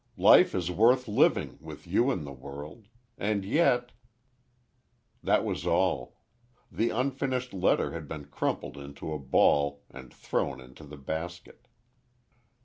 Life is worth living—with you in the world! And yet— That was all. The unfinished letter had been crumpled into a ball and thrown in the basket.